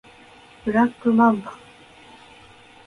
ブラックマンバ